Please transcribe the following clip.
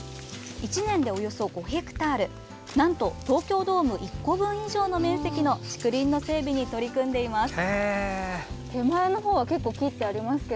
１年で、およそ５ヘクタールなんと東京ドーム１個分以上の面積の竹林の整備に取り組んでいます。